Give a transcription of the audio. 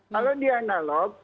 kalau di analog